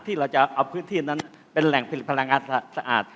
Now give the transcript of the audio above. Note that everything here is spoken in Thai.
ที่เราจะเอาพื้นที่นั้นเป็นแหล่งผลิตพลังงานสะอาด